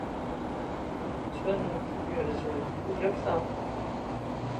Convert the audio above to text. Tettbanem-d tgerrzem deg tewlaft-a!